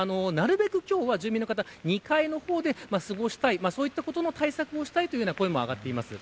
なるべく２階の方で過ごしたいそういった対策をしたいという声も上がっています。